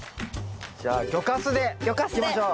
じゃあ魚かすでいきましょう。